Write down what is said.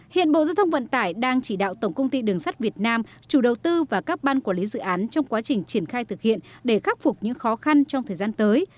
hiện bộ giao thông vận tải đang chỉ đạo tổng công ty đường sắt việt nam chủ đầu tư và các ban quản lý dự án trong quá trình triển khai thực hiện để khắc phục những khó khăn trong thời gian tới